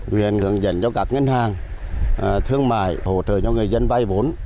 huyện hướng dẫn cho các ngân hàng thương mại hỗ trợ cho người dân vay vốn